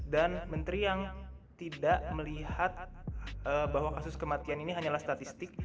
dan menteri yang tidak melihat bahwa kasus kematian ini hanyalah statistik